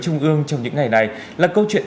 trung ương trong những ngày này là câu chuyện